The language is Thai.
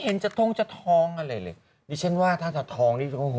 เห็นจะท้องจะท้องอะไรเลยดิฉันว่าถ้าจะท้องนี่โอ้โห